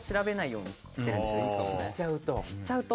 知っちゃうと。